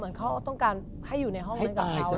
เขาต้องการให้อยู่ในห้องนั้นกับเขา